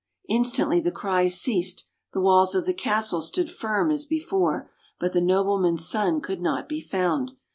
Instantly the cries ceased, the walls of the castle stood firm as before; but the noble man's son could not be found.